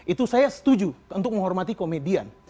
itu saya setuju untuk menghormati komedian